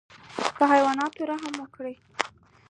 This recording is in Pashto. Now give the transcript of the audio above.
په حیواناتو رحم وکړئ